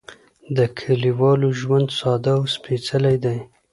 د کليوالو ژوند ساده او سپېڅلی دی.